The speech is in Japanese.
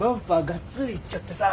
がっつりいっちゃってさ。